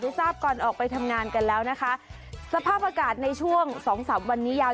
ทราบก่อนออกไปทำงานกันแล้วนะคะสภาพอากาศในช่วงสองสามวันนี้ยาว